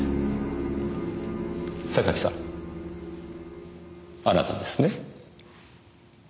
榊さんあなたですね？